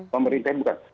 pemerintah ini bukan